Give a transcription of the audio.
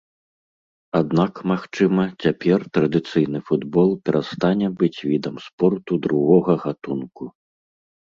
Аднак, магчыма, цяпер традыцыйны футбол перастане быць відам спорту другога гатунку.